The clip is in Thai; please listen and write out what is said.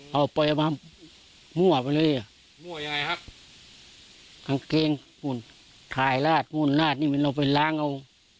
เอาไปเอามามั่วไปเลยมั่วยังไงครับขังเกงอุ้นทายราดอุ้นราดนี่มันเราไปล้างเอา